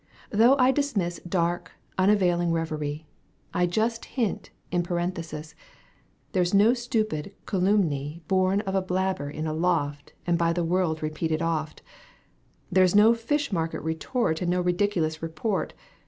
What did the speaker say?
Though I dismiss Dark, unavailing reverie, I just hint, in parenthesis. There is no stupid calumny Bom of a babbler in a lofb And by the world repeated oft. There is no fishmarket retort And no ridiculous report.